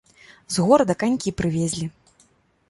З горада канькі прывезлі.